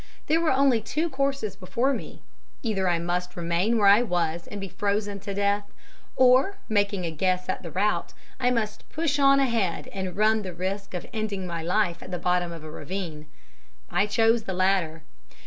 There were only two courses before me either I must remain where I was and be frozen to death, or, making a guess at the route, I must push on ahead and run the risk of ending my life at the bottom of a ravine. I chose the latter.